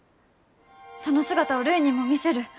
その姿をるいにも見せる。